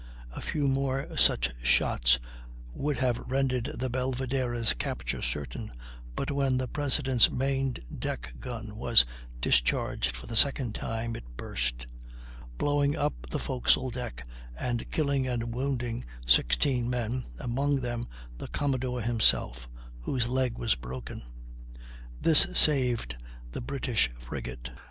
A few more such shots would have rendered the Belvidera's capture certain, but when the President's main deck gun was discharged for the second time it burst, blowing up the forecastle deck and killing and wounding 16 men, among them the Commodore himself, whose leg was broken. This saved the British frigate.